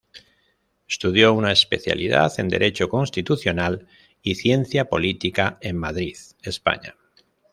Estudió una especialidad en Derecho Constitucional y Ciencia Política en Madrid, España.